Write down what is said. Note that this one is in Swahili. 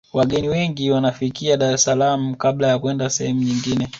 wageni wengi wanafikia dar es salaam kabla ya kwenda sehemu nyingine